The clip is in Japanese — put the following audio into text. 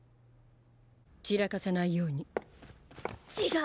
散らかさないように。